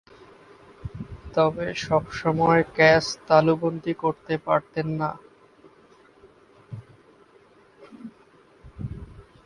তবে, সবসময় ক্যাচ তালুবন্দী করতে পারতেন না।